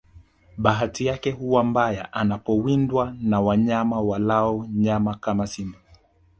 Bahati yake huwa mbaya anapowindwa na wanyama walao nyama kama simba